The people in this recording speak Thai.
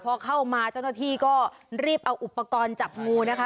พอเข้ามาเจ้าหน้าที่ก็รีบเอาอุปกรณ์จับงูนะคะ